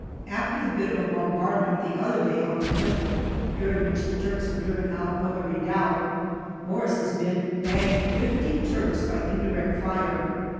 After the bit of a bombardment the other day on the Pimple, during which the Turks were driven out of a redoubt, Morris's men bagged fifty Turks by indirect fire.